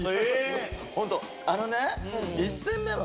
あのね。